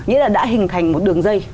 nghĩa là đã hình thành một đường dây